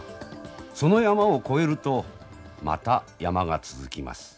その山を越えるとまた山が続きます。